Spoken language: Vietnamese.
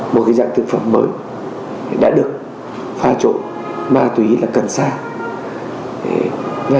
một dạng thực phẩm mới đã được pha trộn ma túy là cần sa